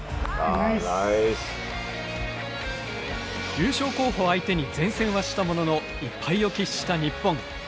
優勝候補相手に善戦はしたものの１敗を喫した日本。